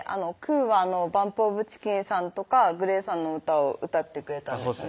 ーはＢＵＭＰＯＦＣＨＩＣＫＥＮさんとかＧＬＡＹさんの歌を歌ってくれたんですね